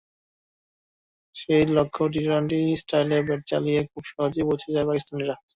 সেই লক্ষ্যে টি-টোয়েন্টি স্টাইলে ব্যাট চালিয়ে খুব সহজেই পৌঁছে যায় পাকিস্তানিরা।